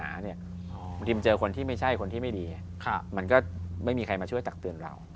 บางทีมันเจอคนที่ไม่ใช่คนที่ไม่ดีมันก็ไม่มีใครมาช่วยตักเตือนเรา